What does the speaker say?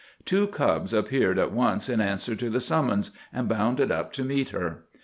Two cubs appeared at once in answer to the summons, and bounded up to meet her.